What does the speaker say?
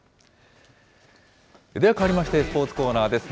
では変わりまして、スポーツコーナーです。